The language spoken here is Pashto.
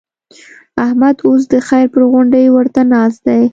احمد اوس د خير پر غونډۍ ورته ناست دی.